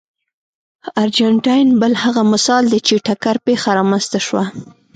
ارجنټاین بل هغه مثال دی چې ټکر پېښه رامنځته شوه.